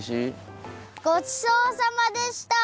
ごちそうさまでした！